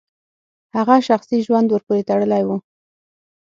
هغه شخصي ژوند ورپورې تړلی و.